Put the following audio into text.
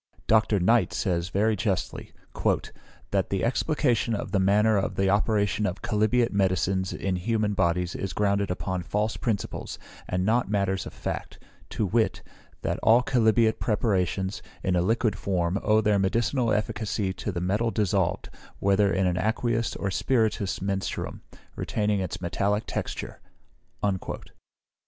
Dr. Knight says very justly, "that the explication of the manner of the operation of chalybeate medicines in human bodies is grounded upon false principles, and not matters of fact; to wit, that all chalybeate preparations, in a liquid form, owe their medicinal efficacy to the metal dissolved, whether in an aqueous or spirituous menstruum, retaining its metallic texture."